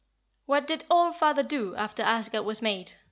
14. "What did All father do after Asgard was made?"